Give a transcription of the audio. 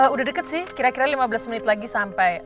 udah deket sih kira kira lima belas menit lagi sampai